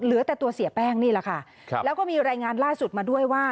เหลือแต่ตัวเสียแป้งนี่แหละค่ะครับแล้วก็มีรายงานล่าสุดมาด้วยว่า